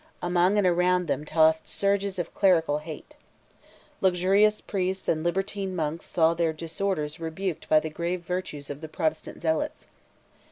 Among and around them tossed the surges of clerical hate. Luxurious priests and libertine monks saw their disorders rebuked by the grave virtues of the Protestant zealots.